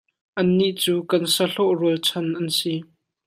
Annih cu kan sahlawh rualchan an si.